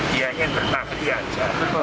dia yang berpaktian saja